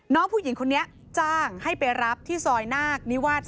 น้องผู้หญิงคนนี้จ้างให้ไปรับที่ซอยนาคนิวาส๔